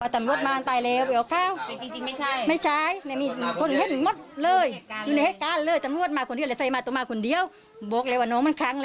ตอนตี๙จากนี้ก็จะมาตอนเท่านั้น